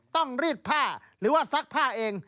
รีดผ้าหรือว่าซักผ้าเอง